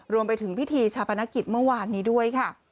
รวมไปถึงพิธีชาปนกิจเมื่อวานนี้ด้วยค่ะ